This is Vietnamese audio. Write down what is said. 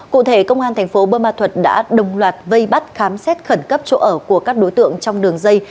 cụ thể công an thành phố bơ ma thuật đã đồng loạt vây bắt khám xét khẩn cấp chỗ ở của các đối tượng trong đường dây